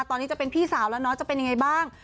ตอนนี้จะเป็นพี่สาวแล้วเนาะจะเป็นยังไงบ้าง